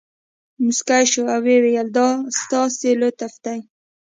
مسکی شو او ویې ویل دا ستاسې لطف دی.